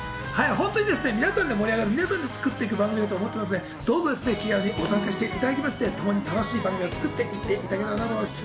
本当にですね、皆さんで盛り上がり、皆さんで作っていく番組だと思ってますので、どうぞ気軽にご参加していただきまして、共に楽しい番組を作っていっていただきたいなと思います。